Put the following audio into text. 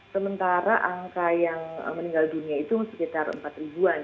sementara angka yang meninggal dunia itu sekitar empat ribuan